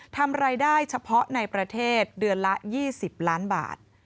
ทำรายได้เฉพาะในประเทศเดือนละ๒๐ล้านบาท